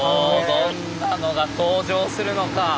どんなのが登場するのか。